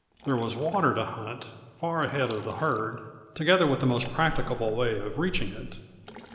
There was water to hunt, far ahead of the herd, together with the most practicable way of reaching it.